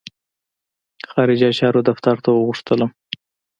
خارجه چارو دفتر ته وغوښتلم.